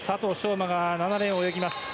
馬が７レーンを泳ぎます。